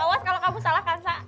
awas kalau kamu salah kancah